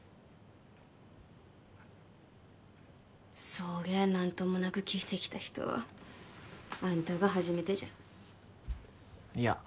そげん何ともなく聞いてきた人はあんたが初めてじゃいや